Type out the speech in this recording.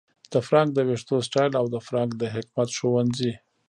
د فرانک د ویښتو سټایل او د فرانک د حکمت ښوونځي